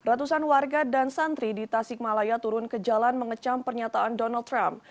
ratusan warga dan santri di tasikmalaya turun ke jalan mengecam pernyataan donald trump